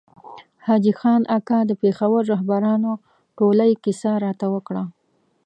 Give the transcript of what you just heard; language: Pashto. حاجي خان اکا د پېښور رهبرانو ټولۍ کیسه راته وکړه.